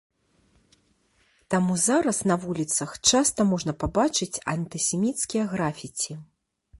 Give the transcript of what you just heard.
Таму зараз на вуліцах часта можна пабачыць антысеміцкія графіці.